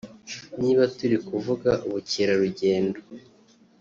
niba turi kuvuga ubukerarugendo